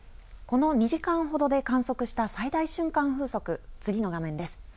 この２時間ほどで観測した最大瞬間風速、次の画面です。